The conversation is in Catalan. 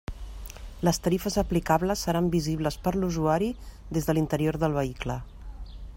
Les tarifes aplicables seran visibles per a l'usuari des de l'interior del vehicle.